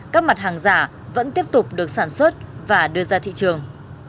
các mặt hàng giả vẫn tiếp tục được sản xuất và đưa ra thị trường